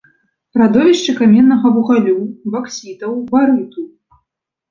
Радовішчы каменнага вугалю, баксітаў, барыту.